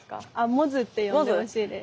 百舌って呼んでほしいです。